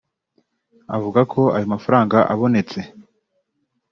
Avuga ko ayo mafaranga abonetse